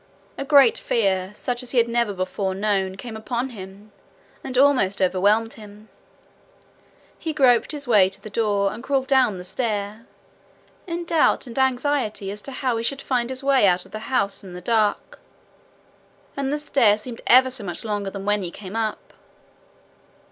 A great fear, such as he had never before known, came upon him, and almost overwhelmed him. He groped his way to the door, and crawled down the stair in doubt and anxiety as to how he should find his way out of the house in the dark. And the stair seemed ever so much longer than when he came up.